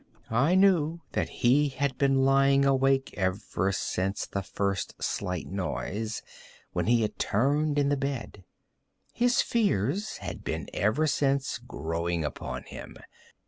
I knew that he had been lying awake ever since the first slight noise, when he had turned in the bed. His fears had been ever since growing upon him.